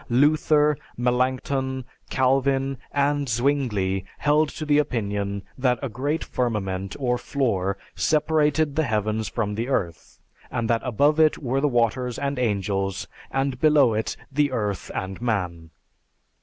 Luther, Melanchthon, Calvin, and Zwingli held to the opinion that a great firmament, or floor, separated the heavens from the earth; that above it were the waters and angels, and below it, the earth and man.